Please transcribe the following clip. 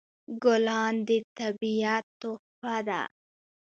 ګلان د طبیعت تحفه ده.